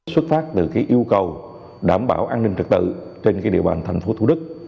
xuất phát từ yêu cầu đảm bảo an ninh trật tự trên địa bàn thành phố thủ đức